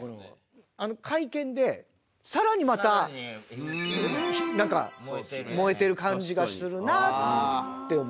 会見で更にまたなんか燃えてる感じがするなあって思って。